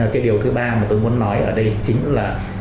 cái điều thứ ba mà tôi muốn nói ở đây chính là